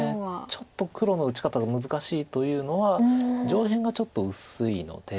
ちょっと黒の打ち方が難しいというのは上辺がちょっと薄いので。